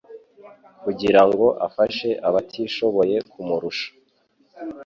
kugirango afashe abatishoboye kumurusha